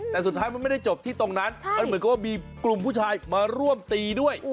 แต่สุดท้ายมันไม่ได้จบที่ตรงนั้นมันเหมือนกับว่ามีกลุ่มผู้ชายมาร่วมตีด้วย